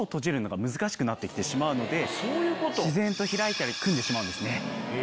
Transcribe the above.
自然と開いたり組んでしまうんですね。